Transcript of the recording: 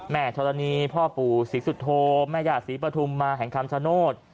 แม่ชะละนีพ่อปู่ศรีสุธโธมแม่ญาติศรีปฐุมมาแห่งคำสโนธ